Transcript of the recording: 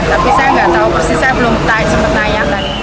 tapi saya nggak tahu persis saya belum tanya